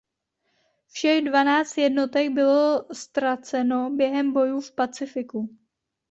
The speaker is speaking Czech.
Všech dvanáct jednotek bylo ztraceno během bojů v Pacifiku.